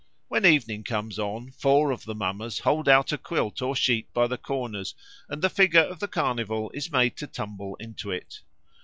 When evening comes on, four of the mummers hold out a quilt or sheet by the corners, and the figure of the Carnival is made to tumble into it.